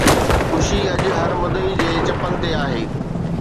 خوشي اڄ هر مدعي جي چپن تي آهي